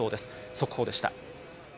速報でした。